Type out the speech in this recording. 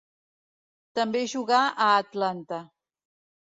També jugà a Atlanta.